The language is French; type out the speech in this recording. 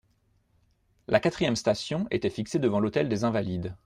La quatrième station était fixée devant l'hôtel des Invalides.